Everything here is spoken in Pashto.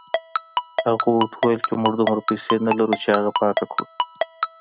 هغه ورته وویل چې موږ دومره پیسې نه لرو چې هغه پاکه کړو.